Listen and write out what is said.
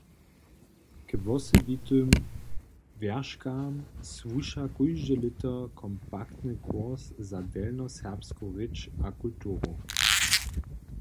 K wosebitym wjerškam słuša kóžde lěto kompaktny kurs za delnjoserbsku rěč a kulturu.